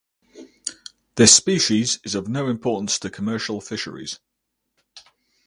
This species is of no importance to commercial fisheries.